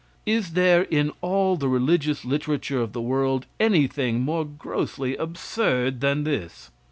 Is there in ail the religious literature of the world any thing more grossly absurd than this?